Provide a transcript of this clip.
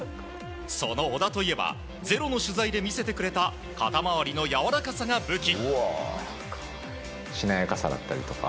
その小田といえば「ｚｅｒｏ」の取材で見せてくれた肩回りのやわらかさが武器。